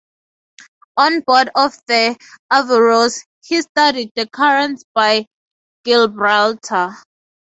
On board of the "Averroes", he studied the currents by Gibraltar.